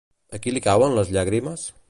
A qui li cauen les llàgrimes?